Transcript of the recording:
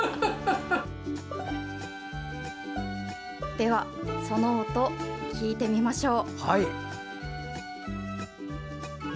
では、その音聞いてみましょう。